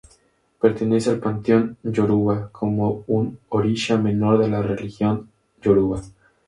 Pertenece al Panteón Yoruba, como un Orisha menor de la Religión Yoruba.